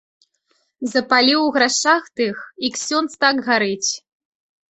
Запаліў у грашах тых, і ксёндз так гарыць.